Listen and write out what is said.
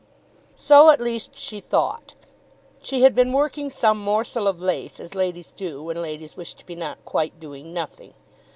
So at least she thought. She had been working some morsel of lace, as ladies do when ladies wish to be not quite doing nothing.